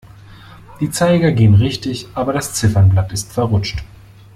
Die Zeiger gehen richtig, aber das Ziffernblatt ist verrutscht.